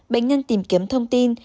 bệnh nhân tìm kiếm thông tin